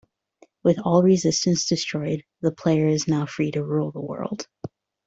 With all resistance destroyed, the player is now free to rule the world.